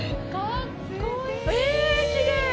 ええ、きれい。